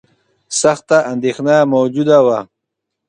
سخته اندېښنه موجوده وه.